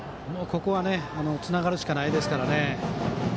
ここは、もうつながるしかないですからね。